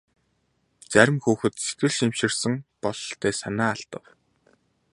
Зарим хүүхэд сэтгэл шимширсэн бололтой санаа алдав.